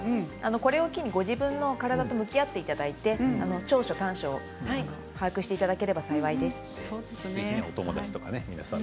これを機にご自分の体と向き合っていただいて長所、短所を把握していただければ幸いです。